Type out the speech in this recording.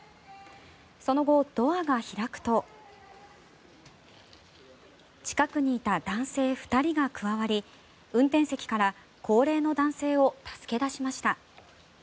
その後、ドアが開くと近くにいた男性２人が加わり運転席から高齢の男性を助け出しました。